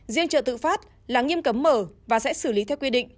riêng trợ tự phát là nghiêm cấm mở và sẽ xử lý theo quy định